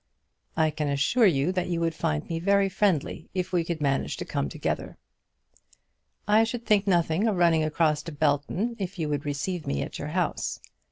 I can assure you that you would find me very friendly if we could manage to come together. I should think nothing of running across to Belton, if you would receive me at your house.